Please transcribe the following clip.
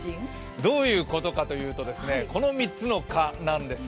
どういうことかというと、この３つの「か」なんです。